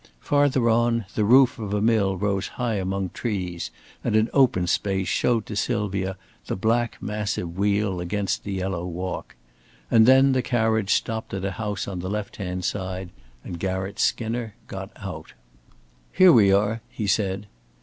Farther on, the roof of a mill rose high among trees, and an open space showed to Sylvia the black massive wheel against the yellow wall. And then the carriage stopped at a house on the left hand side, and Garratt Skinner got out. "Here we are," he said.